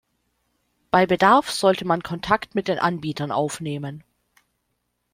Bei Bedarf sollte man Kontakt mit den Anbietern aufnehmen.